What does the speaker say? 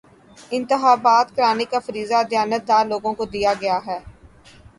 انتخابات کرانے کا فریضہ دیانتدار لوگوں کو دیا گیا ہے